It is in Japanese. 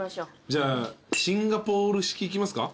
じゃあシンガポール式いきますか？